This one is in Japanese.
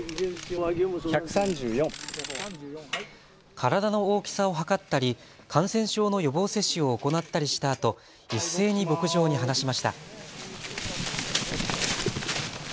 体の大きさを測ったり感染症の予防接種を行ったりしたあと一斉に牧場に放しました。